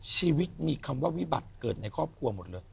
ชีวิตมีคำว่าวิบัติเกิดในครอบครัวหมดเลย